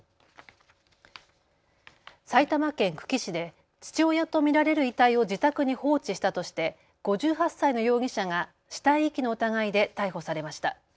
埼玉県久喜市で父親と見られる遺体を自宅に放置したとして５８歳の容疑者が死体遺棄の疑いで逮捕されました。